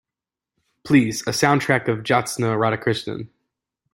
please, a sound track of Jyotsna Radhakrishnan